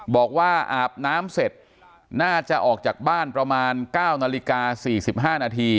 บอกว่าอาบน้ำเสร็จน่าจะออกจากบ้านประมาณ๙นาฬิกา๔๕นาที